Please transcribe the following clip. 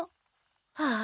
はあ。